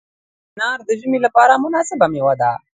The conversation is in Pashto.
انار د ژمي لپاره مناسبه مېوه ده.